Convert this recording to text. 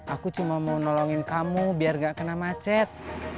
aku cuma mau nolongin kamu biar gak kena macet